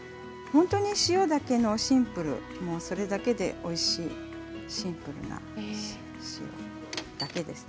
本当に塩だけのシンプルな、それだけで、おいしいシンプルなお料理です。